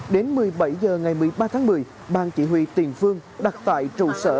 đến một mươi bảy h ngày một mươi ba tháng một mươi bang chỉ huy tiền phương đặt tại trụ sở